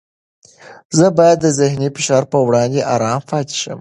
زه باید د ذهني فشار په وړاندې ارام پاتې شم.